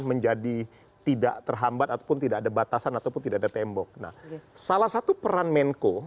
menjadi tidak terhambat ataupun tidak ada batasan ataupun tidak ada tembok nah salah satu peran menko